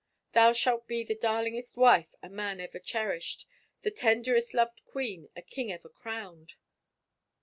Thou shalt be the darlingest wife a man ever cherished, the tenderest loved queen a king ever crowned."